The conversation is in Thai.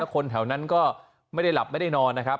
คนแถวนั้นก็ไม่ได้หลับไม่ได้นอนนะครับ